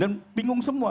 dan bingung semua